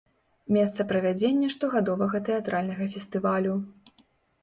Месца правядзення штогадовага тэатральнага фестывалю.